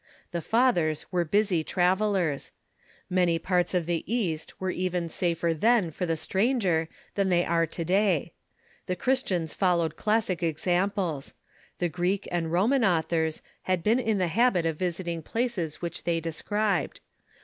The Fathers were busy travellers. Many parts of the East were »I"r*'*t°* even safer then for the stranger than they are to the Fathers .^^ da3^ The Christians followed classic examples. The Greek and Roman authors had been in the habit of visiting places which they described.